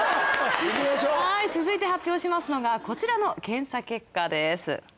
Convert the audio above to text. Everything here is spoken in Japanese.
はい続いて発表しますのがこちらの検査結果です。